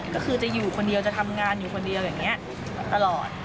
ก็คือจะอยู่คนเดียวจะทำงานอยู่คนเดียวอย่างนี้ตลอด